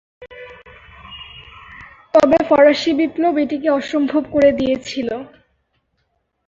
তবে ফরাসী বিপ্লব এটিকে অসম্ভব করে দিয়েছিল।